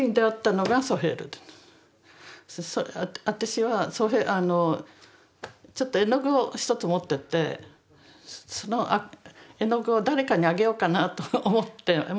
私はちょっと絵の具を１つ持っていってその絵の具を誰かにあげようかなと思って持ってたんですね。